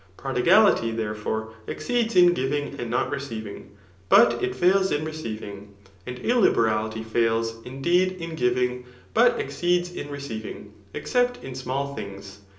Prodigility, tbese ^ fore, exceeds in giving and not receiving, but it fails itL receiving. And illiberality £aiis, indeed, in giving, but exceeds in receiving, except in small things.